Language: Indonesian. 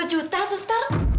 dua juta sustar